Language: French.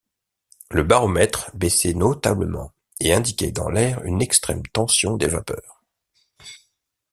Le baromètre baissait notablement et indiquait dans l’air une extrême tension des vapeurs.